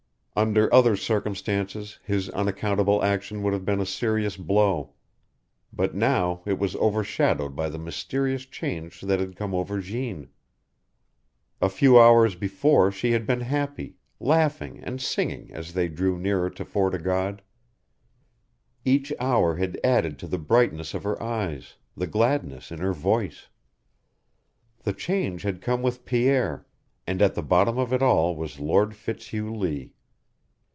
Under other circumstances his unaccountable action would have been a serious blow. But now it was overshadowed by the mysterious change that had come over Jeanne. A few hours before she had been happy, laughing and singing as they drew nearer to Fort o' God; each hour had added to the brightness of her eyes, the gladness in her voice. The change had come with Pierre, and at the bottom of it all was Lord Fitzhugh Lee.